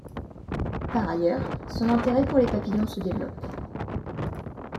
Par ailleurs, son intérêt pour les papillons se développe.